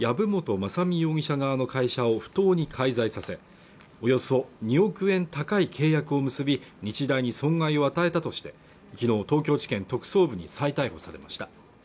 雅巳容疑者側の会社を不当に介在させおよそ２億円高い契約を結び日大に損害を与えたとしてきのう東京地検特捜部に再逮捕されました